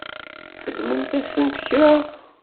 Txedmemt-asent kra?